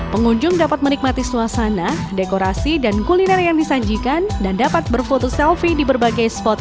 pengunjung dapat menikmati suasana dekorasi dan kuliner yang disanjikan dan dapat berfoto selfie diberbentuk